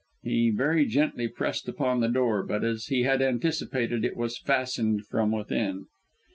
He very gently pressed upon the door, but as he had anticipated it was fastened from within.